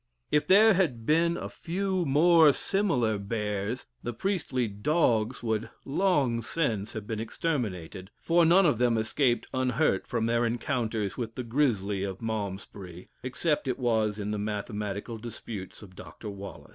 If there had been a few more similar "bears," the priestly "dogs" would long since have been exterminated, for none of them escaped unhurt from their encounters with the "grizzly" of Malmesbury, except it was in the mathematical disputes with Dr. Wallis.